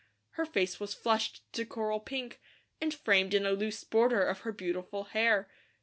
Her face was flushed to coral pink, and framed in a loose border of her beautiful hair.